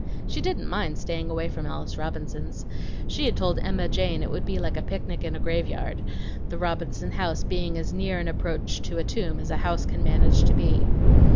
She didn't mind staying away from Alice Robinson's. She had told Emma Jane it would be like a picnic in a graveyard, the Robinson house being as near an approach to a tomb as a house can manage to be.